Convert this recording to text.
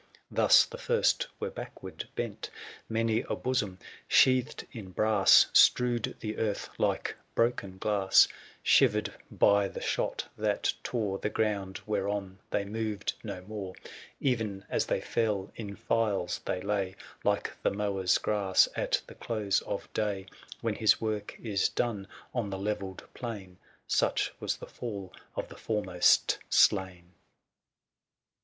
Thus the first were backward bent ; 685 Many a bosom, sheathed in brass. Strewed the earth like broken glass. THE SIEGE OF CORINTH. 39 "Shivered by the shot, that tore ' The ground whereon they moved no more : Even as they fell, in files they lay, 690 Like the mower's grass at the close of day, When his work is done on the levelled plain ; ^uch was the fall of the foremost slain.